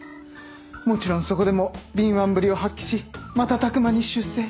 もちろんそこでも敏腕ぶりを発揮し瞬く間に出世。